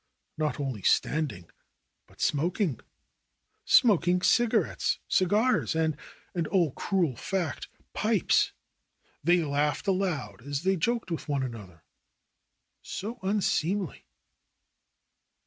Not only standing, but smoking — smok ing cigarettes, cigars, and, oh ! cruel fact, pipes ! They laughed aloud as they joked with one another. So un seemly